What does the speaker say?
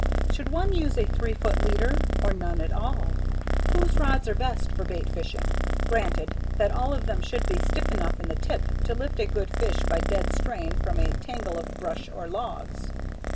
Should one use a three foot leader, or none at all? Whose rods are best for bait fishing, granted that all of them should be stiff enough in the tip to lift a good fish by dead strain from a tangle of brush or logs?